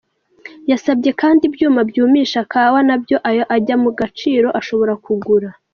Yasabye kandi ibyuma byumisha kawa nabyo ayo ajya mu gaciro ashobora kugura.